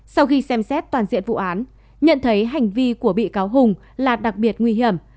sau khi xem xét toàn diện vụ án nhận thấy hành vi của bị cáo hùng là đặc biệt nguy hiểm